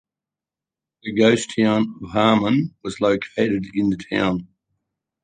The ghost town of Harmon was located in the town.